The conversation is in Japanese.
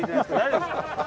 大丈夫ですか？